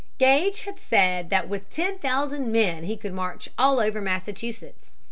Gage had said that with ten thousand men he could march all over Massachusetts.